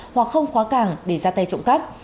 hoặc không khóa càng để ra tay trộm cắp